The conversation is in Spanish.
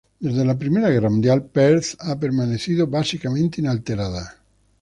Desde la Primera Guerra Mundial, Perth ha permanecido básicamente inalterada.